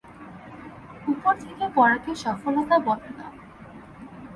উপর থেকে পড়াকে সফলতা বলে না।